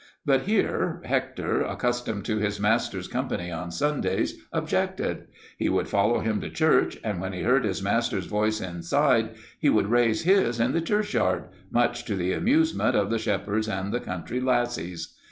But here Hector, accustomed to his master's company on Sundays, objected. He would follow him to church, and when he heard his master's voice inside, he would raise his in the churchyard, much to the amusement of the shepherds and the country lassies.